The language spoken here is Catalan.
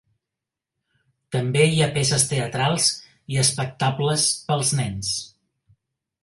També hi ha peces teatrals i espectables pels nens.